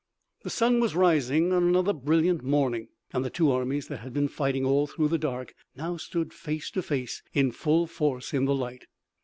The sun was rising on another brilliant morning, and the two armies that had been fighting all through the dark now stood face to face in full force in the light.